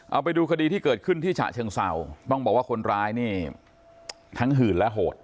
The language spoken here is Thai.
เอาไปดูคดีที่เกิดขึ้นที่ฉะเชิงเศร้าต้องบอกว่าคนร้ายนี่ทั้งหื่นและโหด